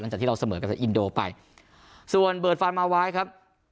จากที่เราเสมอกันจากอินโดไปส่วนเบิร์ดฟานมาวายครับ